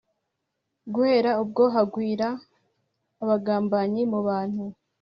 Guhera ubwo hagwira abagambanyi mu bantu